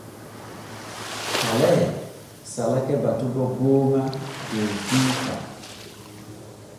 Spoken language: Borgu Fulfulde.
Falee salake batugo gooŋa dow guyka.